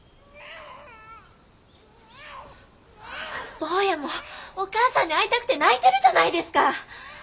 ・坊やもお母さんに会いたくて泣いてるじゃないですか！